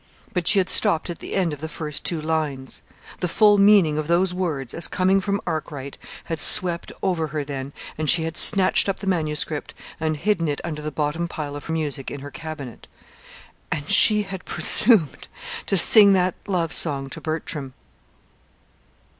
But she had stopped at the end of the first two lines. The full meaning of those words, as coming from Arkwright, had swept over her then, and she had snatched up the manuscript and hidden it under the bottom pile of music in her cabinet ... And she had presumed to sing that love song to Bertram!